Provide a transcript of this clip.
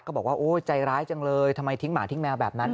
บอกว่าโอ้ใจร้ายจังเลยทำไมทิ้งหมาทิ้งแมวแบบนั้น